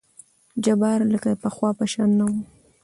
جبار لکه د پخوا په شان نه وو.